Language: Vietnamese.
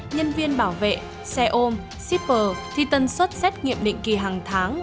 nhân viên bảo vệ xe ôm shipper thì tân xuất xét nghiệm định kỳ hàng tháng